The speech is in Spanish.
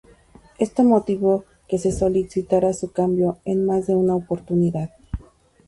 Esto motivó que se solicitara su cambio en más de una oportunidad.